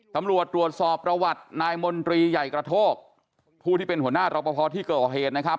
ตำรวจตรวจสอบประวัตินายมนตรีใหญ่กระโทกผู้ที่เป็นหัวหน้ารอปภที่ก่อเหตุนะครับ